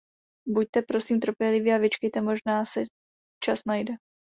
Buďte prosím trpělivý a vyčkejte, možná se čas najde.